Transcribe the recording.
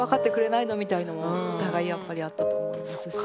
そうですねお互いやっぱりあったと思いますし。